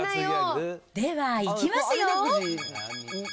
ではいきますよ。